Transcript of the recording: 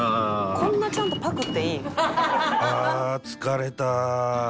「こんなちゃんとパクっていいん？」